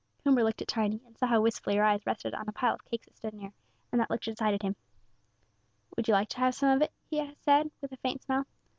Coomber looked at Tiny, and saw how wistfully her eyes rested on a pile of cakes that stood near; and that look decided him. "Would you like to have some of it?" he said, with a faint smile.